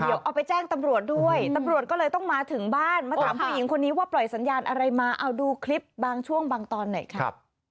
เดี๋ยวเอาไปแจ้งตำรวจด้วยตำรวจก็เลยต้องมาถึงบ้านมาถามผู้หญิงคนนี้ว่าปล่อยสัญญาณอะไรมาเอาดูคลิปบางช่วงบางตอนหน่อยครับ